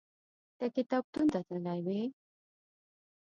ته کتابتون ته تللی وې؟